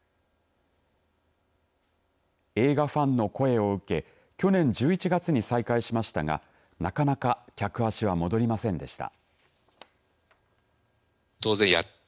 映画ファンの声を受け去年１１月に再開しましたがなかなか客足は戻りませんでした。